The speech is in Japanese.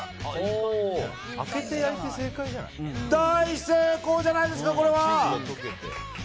大成功じゃないですか、これは！